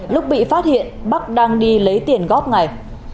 lúc bị phát hiện bắc đang đi lấy tiền góp ngày